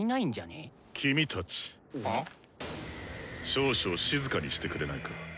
少々静かにしてくれないか。